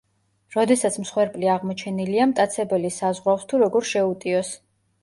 როდესაც მსხვერპლი აღმოჩენილია, მტაცებელი საზღვრავს თუ როგორ შეუტიოს.